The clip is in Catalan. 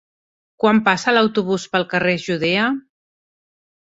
Quan passa l'autobús pel carrer Judea?